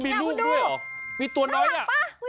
มีลูกด้วยเหรอมีตัวน้อยน่ะ